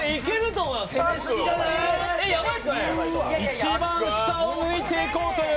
一番下を抜いていくという。